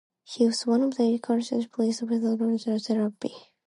He is one of eight Cornhuskers players to win the Outland Trophy.